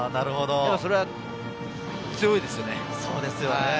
それは強いですよね。